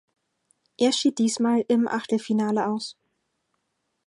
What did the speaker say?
Er schied diesmal im Achtelfinale aus.